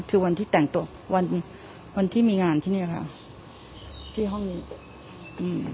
คือวันที่แต่งตัววันวันที่มีงานที่เนี้ยค่ะที่ห้องอืม